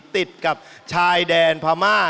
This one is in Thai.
ติดกับชายแดนพม่า